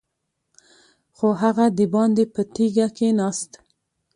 خو هغه دباندې په تيږه کېناست.